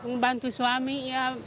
membantu suami ya